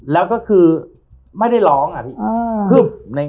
แล้วก็คือไม่ได้ร้องอะพี่